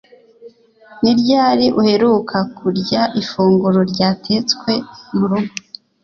ni ryari uheruka kurya ifunguro ryatetse murugo